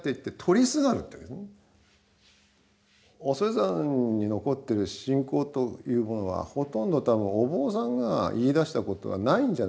恐山に残ってる信仰というものはほとんど多分お坊さんが言いだしたことはないんじゃないかと思うんですね。